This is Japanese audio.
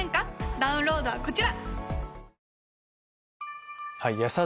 ダウンロードはこちら！